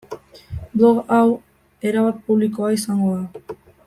Blog hau erabat publikoa izango da.